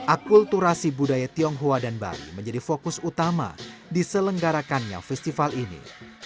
akulturasi budaya tionghoa dan bali menjadi fokus utama diselenggarakannya festival ini